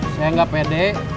saya gak pede